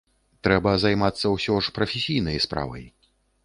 Трэба займацца ўсе ж прафесійнай справай.